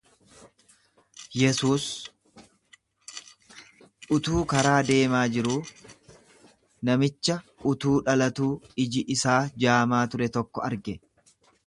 Yesuus utuu karaa deemaa jiruu namicha utuu dhalatuu iji isaa jaamaa ture tokko arge.